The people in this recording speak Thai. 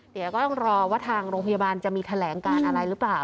เดี๋ยวก็ต้องรอว่าทางโรงพยาบาลจะมีแถลงการอะไรหรือเปล่า